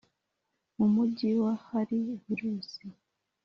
mu Mujyi wa hari virusi